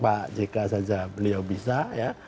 pak jk saja beliau bisa ya